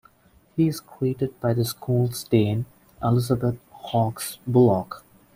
He is greeted by the school's dean, Elizabeth Hawkes-Bullock.